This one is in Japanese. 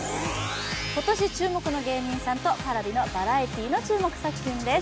今年注目の芸人さんとＰａｒａｖｉのお笑いバラエティーの注目作品です。